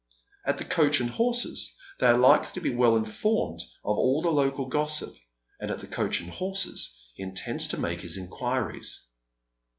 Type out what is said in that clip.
At the "Coach and Horses" they are likely to be well informed of all the local gossip, and at the " Coach and Horses " he intends to make his inquiries.